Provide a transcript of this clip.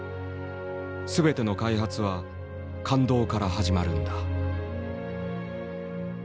「全ての開発は感動から始まるんだ」。